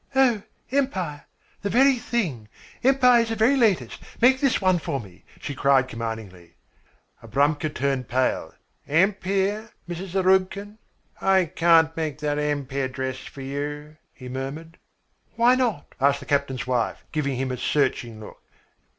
"Oh, Empire! The very thing. Empire is the very latest. Make this one for me," she cried commandingly. Abramka turned pale. "Ampeer, Mrs. Zarubkin? I can't make that Ampeer dress for you," he murmured. "Why not?" asked the captain's wife, giving him a searching look.